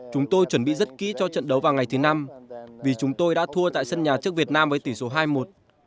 chúng tôi chuẩn bị rất kỹ cho trận đấu vào ngày thứ năm vì chúng tôi đã thua tại sân nhà trước việt nam với tỷ số hai một